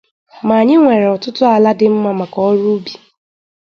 ma anyị nwere ọtụtụ ala dị mma maka ọrụ ubi